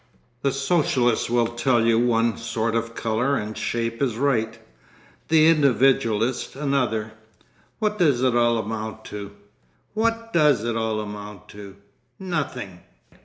The Socialist will tell you one sort of colour and shape is right, the Individualist another. What does it all amount to? What does it all amount to? _Nothing!